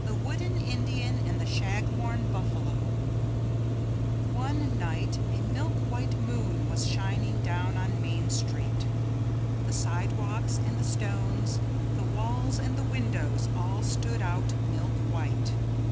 The Wooden Indian and the Shaghorn Buffalo One night a milk white moon was shining down on Main Street. The sidewalks and the stones, the walls and the windows all stood out milk white.